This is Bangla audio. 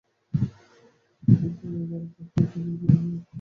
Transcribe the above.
কিন্তু এবার বিজ্ঞানীরা জানাচ্ছেন, প্রাণীটির প্রচণ্ড ঠান্ডা সহ্য করার ক্ষমতা রয়েছে।